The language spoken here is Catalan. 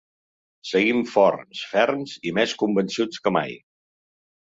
Seguim forts, ferms i més convençuts que mai.